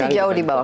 masih jauh di bawah